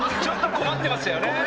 ちょっと困ってましたよね。